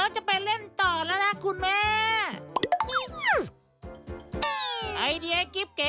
จริงสิปักเลย